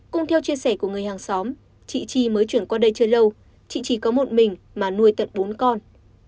cũng theo chia sẻ của người hàng xóm chị tri mới chuyển qua đây chưa lâu chị tri có một mình mà nuôi tận bốn con